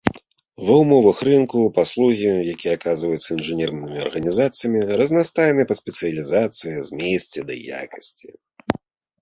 Ва ўмовах рынку, паслугі, якія аказваюцца інжынернымі арганізацыямі разнастайныя па спецыялізацыі, змесце і якасці.